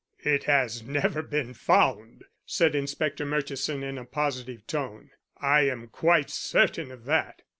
"It has never been found," said Inspector Murchison in a positive tone. "I'm quite certain of that.